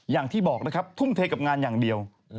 อย่างที่บอกนะครับทุ่มเทกับงานอย่างเดียว